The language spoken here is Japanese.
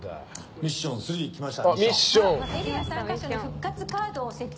ミッション３来ました。